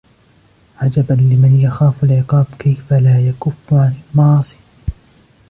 عَجَبًا لِمَنْ يَخَافُ الْعِقَابَ كَيْفَ لَا يَكُفَّ عَنْ الْمَعَاصِي